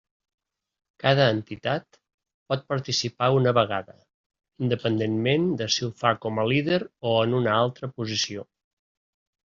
Cada entitat pot participar una vegada, independentment de si ho fa com a líder o en una altra posició.